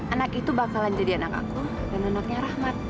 anak itu bakalan jadi anak aku dan anaknya rahmat